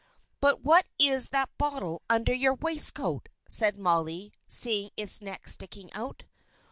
"But what is that bottle under your waistcoat?" said Molly, seeing its neck sticking out.